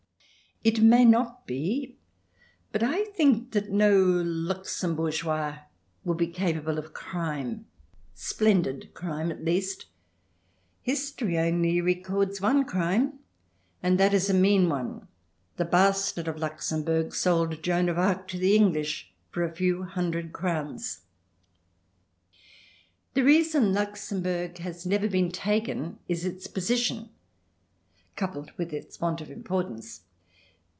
It may not be, but I think that no Luxembourgeois would be capable of crime — splendid crime, at least. History only records one crime, and that is a mean one. The Bastard of Luxembourg sold Joan of Arc to the English for a few hundred crowns. The reason Luxembourg has never been taken is its position, coupled with its want of importance.